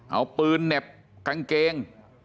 เอาปืนเหน็บกางเกง